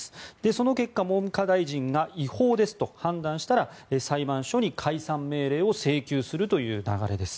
その結果、文科大臣が違法ですと判断したら裁判所に解散命令を請求するという流れです。